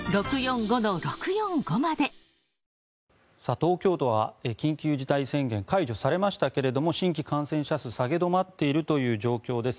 東京都は緊急事態宣言解除されましたが新規感染者数、下げ止まっているという状況です。